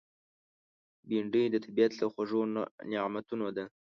بېنډۍ د طبیعت له خوږو نعمتونو ده